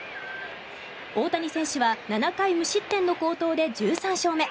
大谷選手は７回無失点の好投で１３勝目。